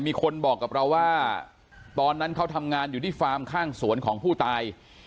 มีคนบอกกับเราว่าตอนนั้นเขาทำงานอยู่ที่ฟาร์มข้างสวนของผู้ตาย